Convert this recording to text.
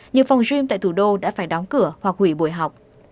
nhiều phòng grem tại thủ đô đã phải đóng cửa hoặc hủy buổi học